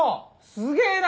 すげぇな